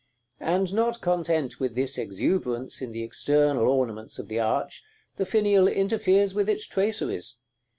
And not content with this exuberance in the external ornaments of the arch, the finial interferes with its traceries.